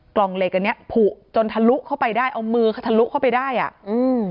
กล่องเหล็กอันเนี้ยผูกจนทะลุเข้าไปได้เอามือเขาทะลุเข้าไปได้อ่ะอืม